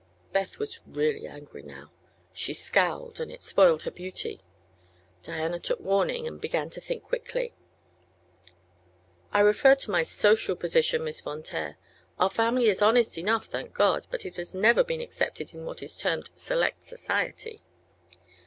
Beth was really angry now. She scowled, and it spoiled her beauty. Diana took warning and began to think quickly. "I referred to my social position, Miss Von Taer. Our family is honest enough, thank God; but it has never been accepted in what is termed select society."